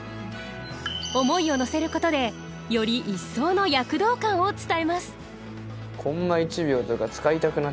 思いをのせることでより一層の躍動感を伝えます